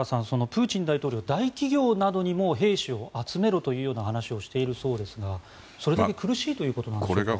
プーチン大統領、大企業などにも兵士を集めろというような話をしているそうですがそれだけ苦しいということなんでしょうか。